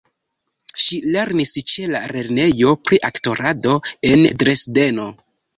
Ŝi lernis ĉe la lernejo pri aktorado en Dresdeno.